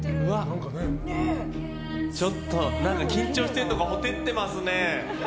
ちょっと緊張してるのかほてってますね。